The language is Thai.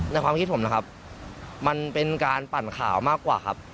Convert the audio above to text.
ความคิดผมนะครับมันเป็นการปั่นข่าวมากกว่าครับ